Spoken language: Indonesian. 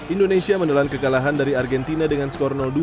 indonesia menelan kekalahan dari argentina dengan skor dua